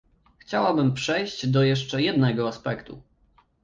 Chciałabym przejść do jeszcze jednego aspektu